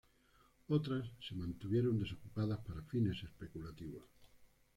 Otras se mantuvieron desocupadas, para fines especulativos.